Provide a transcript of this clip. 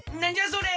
それ！